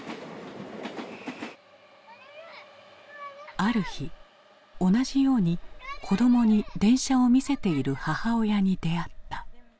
ある日同じように子どもに電車を見せている母親に出会った。